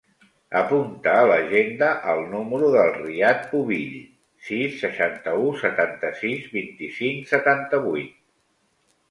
Apunta a l'agenda el número del Riad Pubill: sis, seixanta-u, setanta-sis, vint-i-cinc, setanta-vuit.